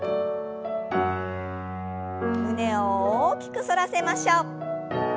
胸を大きく反らせましょう。